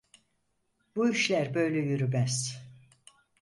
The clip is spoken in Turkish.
Bu işler böyle yürümez.